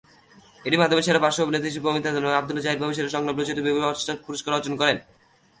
এটির মাধ্যমে সেরা পার্শ্ব অভিনেতা হিসাবে অমিত হাসান এবং আবদুল্লাহ জহির বাবু সেরা সংলাপ রচয়িতা বিভাগে বাচসাস পুরস্কার অর্জন করেন।